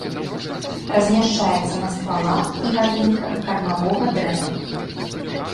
Размяшчаецца на ствалах і галінках кармавога дрэва.